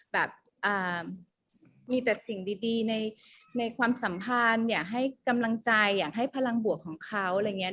แบบมีแต่สิ่งดีในความสัมพันธ์อยากให้กำลังใจอยากให้พลังบวกของเขาอะไรอย่างนี้